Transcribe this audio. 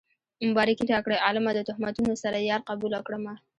مبارکي راکړئ عالمه د تهمتونو سره يار قبوله کړمه